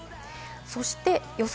そして予想